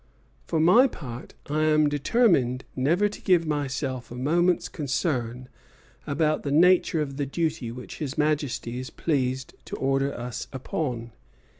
For my part, I am determined never to give myself a moment's concern about the nature of the duty which His Majesty is pleased to order us upon.